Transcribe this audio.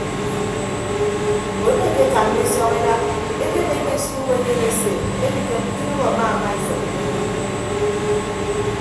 Mbon eekekanna esọñeda ekenekke esuuk enyen ese edikịd ke idooho amaamaisịm ke odo.